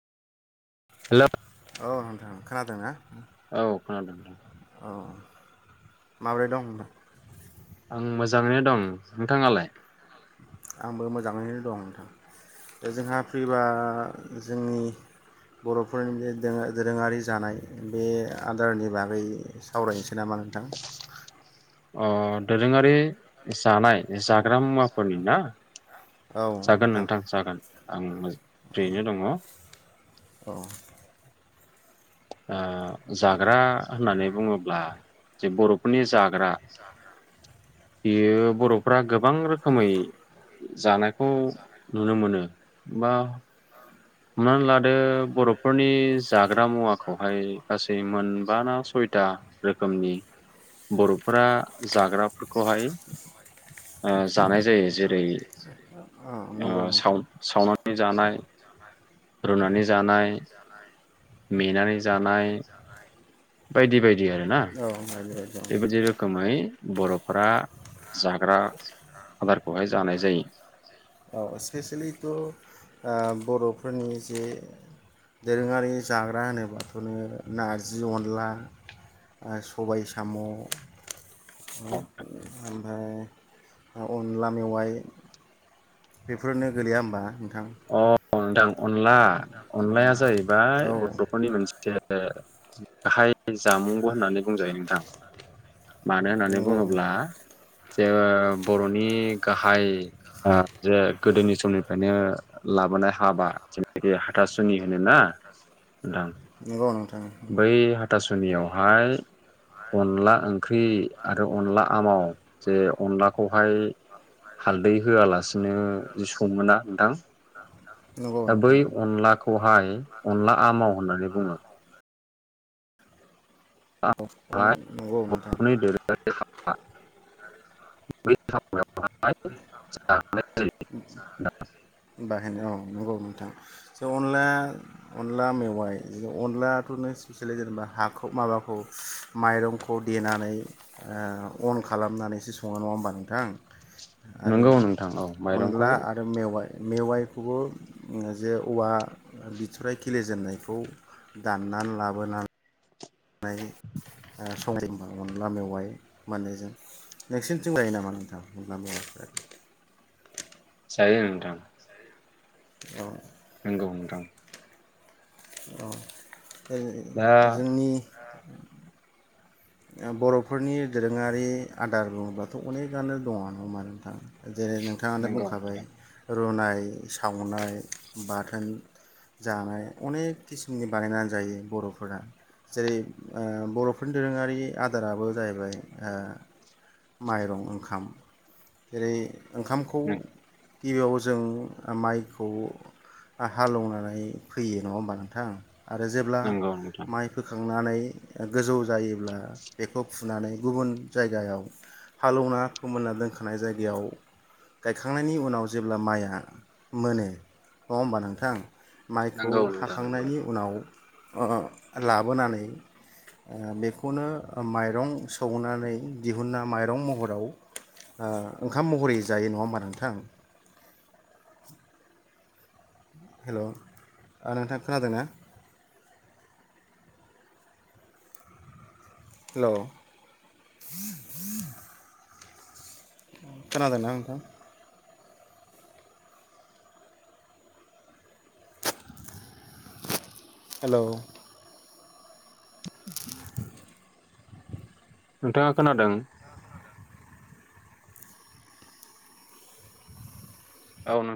हेल' औ नोंथां खोनादोंना औ खोनादों नोंथां अ माब्रै दं [inaudible] आं मोजाङैनो दं नोंथाङालाय आंबो मोजाङैनो दं नोंथां दा जोंहा फैबा जोंनि बर'फोरनि बे दोरोङारि जानाय बे आदारनि बागै सावरायनोसै नामा नोंथां। अ दोरोङारि जानाय जा ग्रा मुवाफोरनि ना जागोन नोंथां जागोन आं मोजाङैनो दङ औ अ जाग्रा होननानै बुङोब्ला जे बर' आनि जाग हिसाब [inaudible] बियो बर'फ्रा गोबां रोखोमै जानाय खौ नुनो मोनो मा हमनानै लादो बर'फोरनि जाग्रा मुवाखौहाय गासै मोनबा ना सयथा रोखोमनि बर'फोरा जाग्राफोरखौहाय जानाय जायो ओ जेरै औ नंगौ नोंथां साव सावनानै जानाय रुनानै जानाय मेनानै जानाय बायदि बायदि आरो ना आरो बेबो जे रोखोमै बर'फोरा जाग्रा आदारखौहाय जानाय जायो औ स्पेसियेलिथ' ओ बर'फोरनि जे दोरोङारि जाग्रा होनोबाथ' नोङो नारजि अनला आ सबाइ साम' ओमफाय ओ अनला मेवाइ बेफोरनो गोलैया होमबा नों अ अ नोंथां। अनला अनलाया जाहैबाय औ बर'फोरनि मोनसे गाहाय जामुंबो होननानै बुंजायो नोंथां। मानो होननानै नंगौ बुङोब्ला जे बर'नि गाहाय ओ जे गोदोनि समनिफ्रायनो लाबोनाय हाबा जेनाखि हाथासुनि होनोना नोंथां नोंगौ नों बै हाथासुनियावहाय अनला ओंख्रि आरो अनला आमाव जे अनलाखौहाय हालदै होआलासिनो जि सङोना नोंथां नंगौ दा बै नोंथां अनलाखौहाय अनला आमाव होननानै बुङो [inaudible] अह अह नंगौ नोंथां। [inaudible] [unintelligible] बाहायनाय औ नंगौ नोंथां जे अनला अनला मेवाइ अनलाथ' न स्पेसेेलि जेनेबा हाखौ माबाखौ माइरंखौ देनानै ओ अन खालामनानैसो सङो। नङा होमबा नोंथां? आरो नंगौ नोंथां औ माइरंखौ अनला आरो मेवाइ मेवाइखौबो जे औवा बिथराइ खिलेजेननायखौ दाननान लाबोनान नै ओ [unintelligible] अनला मेवाइ मोननैजों नोंसिनिथिं लायो नामा नोंथां अनला मेवायखो। जायो ओं नोंथां। अ नोंगौ नोंथां। औ दा ओइ जोंनि ओ बर'फोरनि दोरोङारि आदार बुङोब्लाथ' अनेकानो दङ नङा होमबा नोंथां जेरै नोंथाङानो नंगौ बुंखाबाय नोंथां रुनाय सावनाय बाथोन जानाय अनेख किसुमनि बानायनानै जायो बर'फोरा जेरै ओ बर'फोरनि दोरोङारि इ आदाराबो जाहैबाय ओ माइरं ओंखाम जेरै ओंखामखौ गिबियाव जों माइखौ आ हालएवनानै फैयो। नङा होमबा नोंथां? आरो जेब्ला नंगौ नोंथां माइ फोखां खांनानै गोजौ जायोब्ला बेखौ फुनानै गुबुन जायगायाव हालोवना फोमोनना दोनखानाय जायगायाव गायखांनायनि उनाव जेब्ला माइया मोनो नङा होमबा नोंथां माइखौ नंगौ नोंथां नंगौ हाखांनायनि उनाव अ अ लाबोनानै ओ बेखौनो माइरं सौनानै दिहुना माइरं महराव ओ ओंखाम महरै जायो नङा होमबा नोंथां हेल' आ नोंथां खोनादोंना? हेल' खोनादोंना नोंथां? हेल' नोंथाङा खोनादों? औ उम